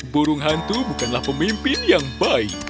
burung hantu bukanlah pemimpin yang baik